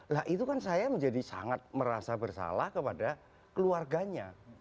lah itu kan saya menjadi sangat merasa bersalah kepada keluarganya